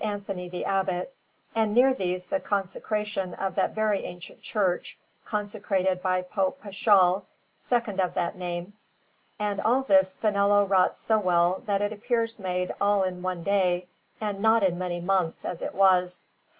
Anthony the Abbot, and near these the consecration of that very ancient church, consecrated by Pope Paschal, second of that name; and all this Spinello wrought so well that it appears made all in one day, and not in many months, as it was.